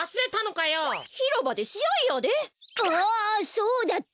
そうだった。